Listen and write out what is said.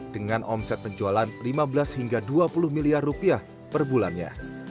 dengan omset penjualan lima belas hingga dua puluh miliar rupiah per bulannya